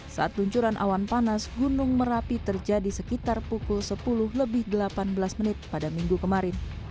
saat luncuran awan panas gunung merapi terjadi sekitar pukul sepuluh lebih delapan belas menit pada minggu kemarin